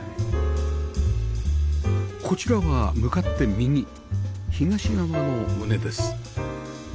こちらは向かって右東側の棟です